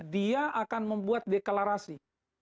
dia akan membuat deklarasi